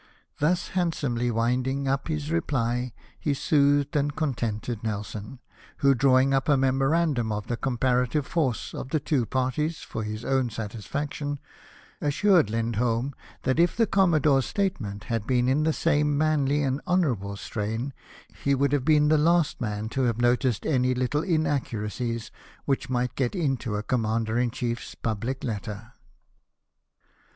Thus handsomely winding up his reply, he soothed and contented Nelson, who, drawing up a memorandum of the comparative force of the two parties for his own satisfaction, assured Lindholm that if the commodore's statement had been in the same manly and honourable strain, he would have been the last man to have noticed any little inaccuracies which might get into a Commander in Chief's public letter.